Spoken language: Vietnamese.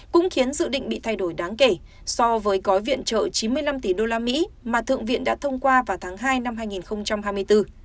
cũng khiến dự định bị thay đổi đáng kể so với gói viện trợ chín mươi năm tỷ đô la mỹ mà thượng viện đã thông qua vào tháng hai năm hai nghìn hai mươi bốn